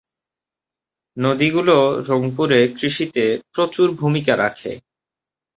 নদীগুলো রংপুরে কৃষিতে প্রচুর ভূমিকা রাখে।